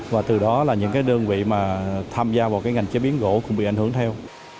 và từ đó là những cái đơn vị mà tham gia vào cái ngành chế biến gỗ cũng bị ảnh hưởng theo